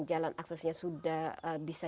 jalan aksesnya sudah bisa